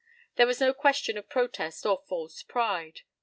There was no question of protest or false pride.